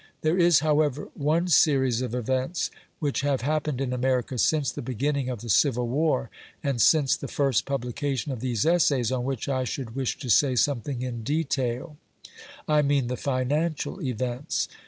There is, however, one series of events which have happened in America since the beginning of the Civil War, and since the first publication of these essays, on which I should wish to say something in detail I mean the financial events.